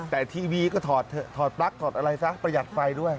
แต่ทีวีก็ถอดเถอะถอดปลั๊กถอดอะไรซะประหยัดไฟด้วย